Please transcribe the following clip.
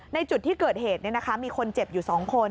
ในจุดที่เกิดเหตุมีคนเจ็บอยู่๒คน